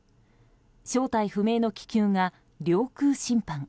正体不明の気球が領空侵犯。